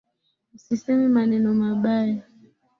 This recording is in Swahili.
Usiseme maneno mabaya.